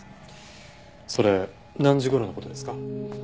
それ何時頃の事ですか？